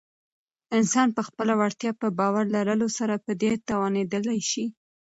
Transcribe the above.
انسان په خپله وړتیا په باور لرلو سره په دې توانیدلی شی